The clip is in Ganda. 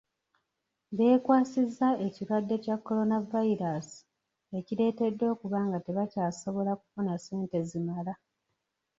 Beekwasizza ekirwadde kya Kolonavayiraasi ekireetedde okuba nga tebakyasobola kufuna sente zimala.